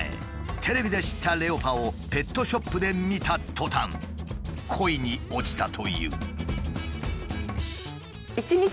テレビで知ったレオパをペットショップで見たとたん恋に落ちたという。